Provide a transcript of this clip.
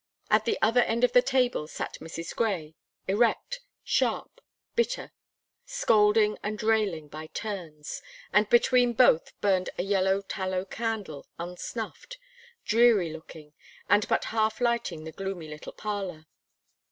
At the other end of the table sat Mrs. Gray erect, sharp, bitter; scolding and railing by turns, and between both burned a yellow tallow candle unsnuffed, dreary looking, and but half lighting the gloomy little parlour.